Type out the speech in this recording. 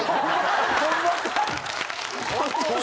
ホンマか？